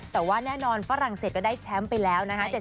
แต่ว่าแน่นอนฝรั่งเศสก็ได้แชมป์ไปแล้วนะคะ